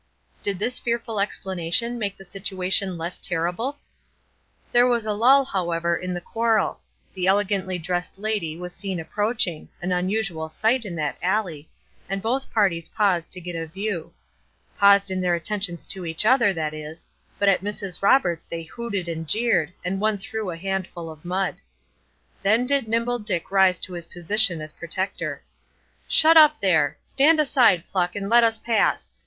Did this fearful explanation make the situation less terrible? There was a lull, however, in the quarrel. The elegantly dressed lady was seen approaching, an unusual sight in that alley, and both parties paused to get a view. Paused in their attentions to each other, that is; but at Mrs. Roberts they hooted and jeered, and one threw a handful of mud. Then did Nimble Dick rise to his position as protector. "Shut up, there! Stand aside, Pluck, and let us pass!